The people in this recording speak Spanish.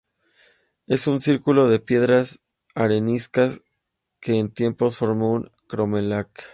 Es un círculo de piedras areniscas que en tiempos formó un crómlech.